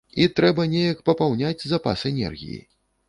І трэба неяк папаўняць запас энергіі.